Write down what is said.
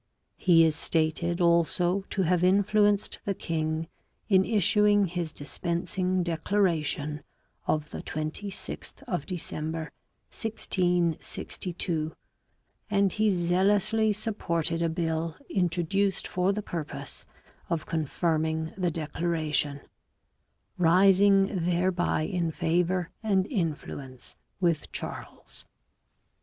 He is stated also to have influenced the king in issuing his dispensing declara tion of the 26th of December 1662, and he zealously supported a bill introduced for the purpose of confirming the declaration, rising thereby in favour and influence with Charles.